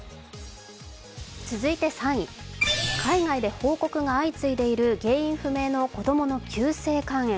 続いて３位、海外で報告が相次いでいる原因不明の子供の急性肝炎。